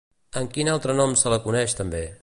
Amb quin altre nom se la coneix també?